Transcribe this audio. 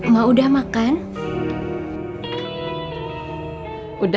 mas suha tega banget